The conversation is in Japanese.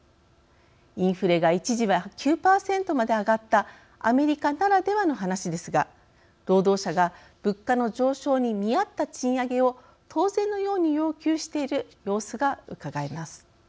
インフレが一時は９％まで上がったアメリカならではの話ですが労働者が物価の上昇に見合った賃上げを当然のように要求している様子がうかがえます。